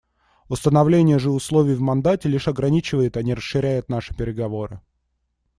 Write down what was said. Установление же условий в мандате лишь ограничивает, а не расширяет наши переговоры.